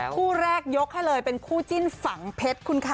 คู่แรกยกให้เลยคู่จิ้นฝังเพชร